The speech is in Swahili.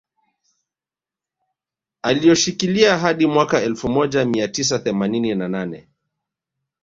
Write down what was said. Alioshikilia hadi mwaka elfu moja mia tisa themanini na nane